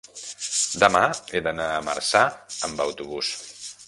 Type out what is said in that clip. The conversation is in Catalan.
demà he d'anar a Marçà amb autobús.